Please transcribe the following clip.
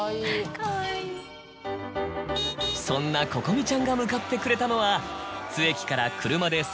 そんな湖々未ちゃんが向かってくれたのは津駅から。